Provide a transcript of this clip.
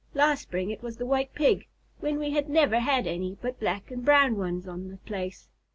Last spring it was the White Pig, when we had never had any but black and brown ones on the place.